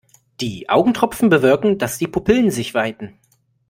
Die Augentropfen bewirken, dass die Pupillen sich weiten.